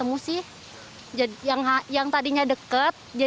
towers bullshit juga yang activist juga anak p level ya terima kasih banget kerja